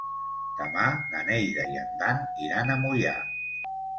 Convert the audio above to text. Demà na Neida i en Dan iran a Moià.